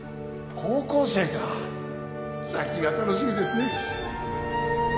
高校生か先が楽しみですね